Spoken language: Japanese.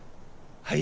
はい。